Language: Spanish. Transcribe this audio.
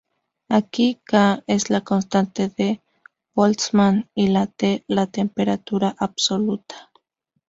Aquí "k" es la constante de Boltzmann y la "T" la temperatura absoluta.